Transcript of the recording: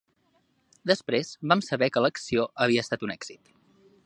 Després vam saber que l'acció havia estat un èxit